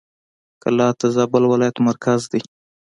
کلات د زابل ولایت مرکز دی.